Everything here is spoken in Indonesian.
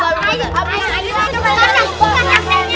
jempolnya dalam bunga